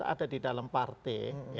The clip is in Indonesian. ada di dalam partai